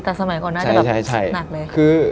แต่สมัยก่อนน่าจะแบบหนักเลยคือ